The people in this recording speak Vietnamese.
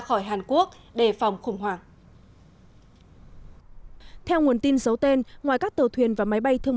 khỏi hàn quốc đề phòng khủng hoảng theo nguồn tin giấu tên ngoài các tàu thuyền và máy bay thương